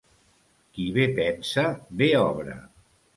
Qui bé pensa, bé obra.